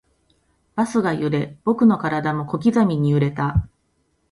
バスが揺れ、僕の体も小刻みに揺れた